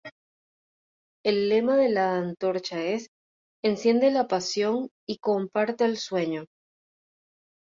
El lema de la antorcha es "Enciende la pasión y comparte el sueño".